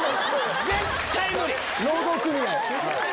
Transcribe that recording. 労働組合？